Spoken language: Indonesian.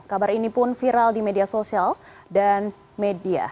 kabar ini pun viral di media sosial dan media